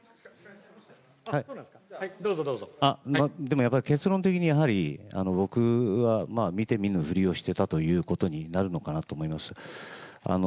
でもやっぱり、結論的にやはり僕は見て見ぬふりをしていたことになるのかなと思います。